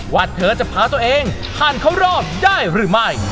ว่าเธอจะพาตัวเองผ่านเข้ารอบได้หรือไม่